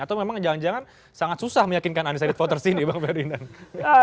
atau memang jangan jangan sangat susah meyakinkan undecided voters ini bang ferdinand